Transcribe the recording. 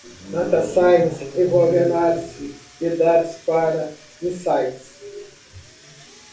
Data Science envolve análise de dados para insights.